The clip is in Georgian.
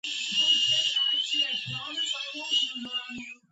გადარჩენილია აგრეთვე სვეტების ბაზისები.